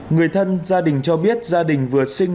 người thân gia đình cho biết gia đình vừa sinh